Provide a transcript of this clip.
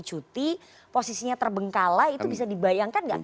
duti posisinya terbengkala itu bisa dibayangkan nggak